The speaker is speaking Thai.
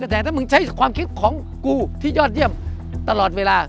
แต่ถ้ามึงใช้ความคิดของกูที่ยอดเยี่ยมตลอดเวลา